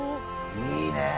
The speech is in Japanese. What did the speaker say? いいね。